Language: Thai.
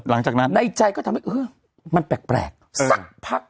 หลังจากนั้นในใจก็ทำให้เออมันแปลกสักพัก